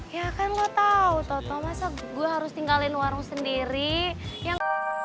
ya kan lo tau tau masa gue harus tinggalin warung sendiri yang